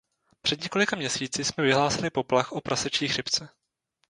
Před několika měsíci jsme vyhlásili poplach o prasečí chřipce.